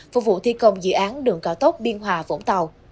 phục vụ thi công dự án đường cao tốc biên hòa vũng tàu